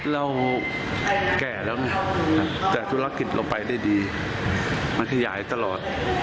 เราแก่แล้วไงแต่ธุรกิจเราไปได้ดีมันขยายตลอด